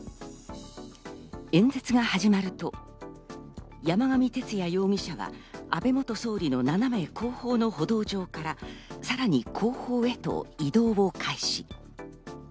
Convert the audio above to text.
演説が始まると山上徹也容疑者が安倍元総理の斜め後方の歩道上からさらに後方へと移動を開始。